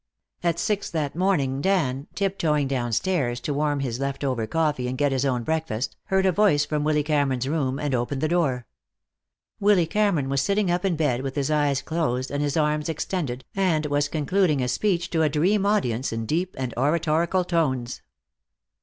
At six that morning Dan, tip toeing downstairs to warm his left over coffee and get his own breakfast, heard a voice from Willy Cameron's room, and opened the door. Willy Cameron was sitting up in bed with his eyes closed and his arms extended, and was concluding a speech to a dream audience in deep and oratorical tones.